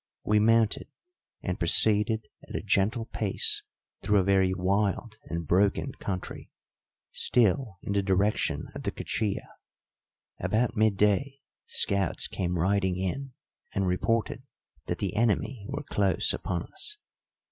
We mounted, and proceeded at a gentle pace through a very wild and broken country, still in the direction of the Cuchilla. About midday scouts came riding in and reported that the enemy were close upon us.